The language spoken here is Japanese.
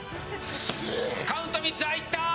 カウント３つ入った！